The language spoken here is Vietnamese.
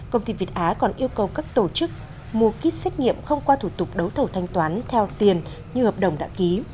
công ty việt á còn yêu cầu các tổ chức mua kit xét nghiệm không qua thủ tục đấu thầu thanh toán theo tiền như hợp đồng đã ký